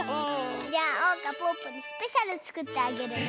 じゃあおうかぽぅぽにスペシャルつくってあげるね！